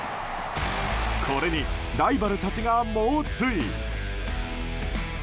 これにライバルたちが猛追。